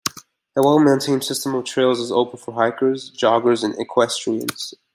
A well-maintained system of trails is open for hikers, joggers, and equestrians.